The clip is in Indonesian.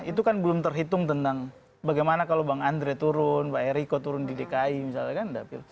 itu kan belum terhitung tentang bagaimana kalau bang andre turun pak eriko turun di dki misalnya kan